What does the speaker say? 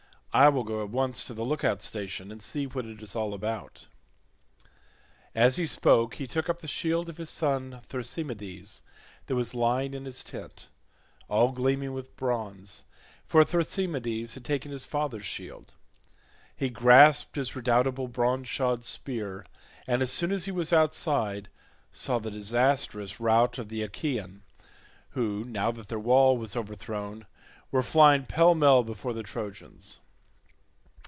I will go at once to the look out station and see what it is all about." As he spoke he took up the shield of his son Thrasymedes that was lying in his tent, all gleaming with bronze, for Thrasymedes had taken his father's shield; he grasped his redoubtable bronze shod spear, and as soon as he was outside saw the disastrous rout of the Achaeans who, now that their wall was overthrown, were flying pell mell before the Trojans.